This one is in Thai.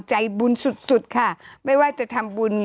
ช่วยเชิญ